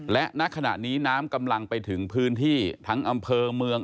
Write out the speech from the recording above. และณขณะนี้น้ำกำลังไปถึงพื้นที่ทั้งอำเภอเมือง